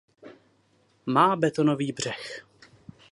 Má betonový břeh.